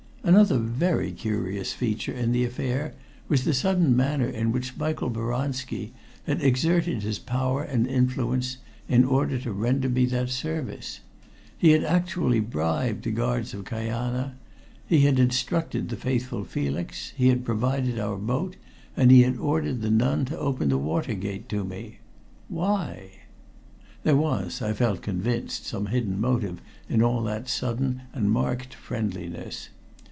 Another very curious feature in the affair was the sudden manner in which Michael Boranski had exerted his power and influence in order to render me that service. He had actually bribed the guards of Kajana; he had instructed the faithful Felix, he had provided our boat, and he had ordered the nun to open the water gate to me. Why? There was, I felt convinced, some hidden motive in all that sudden and marked friendliness.